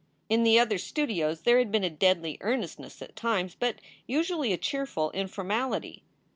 In the other studios there had been a deadly earnestness at times, but usually a cheerful informality.